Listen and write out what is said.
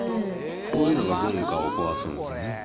こういうのが文化を壊すんですよね。